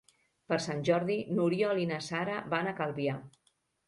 Per Sant Jordi n'Oriol i na Sara van a Calvià.